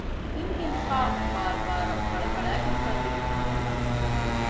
ހިނދިހިނދިފައި ބާރުބާރަށް ފަޅަފަޅައިގެންދާ ދިގު ހިނިގަނޑެއް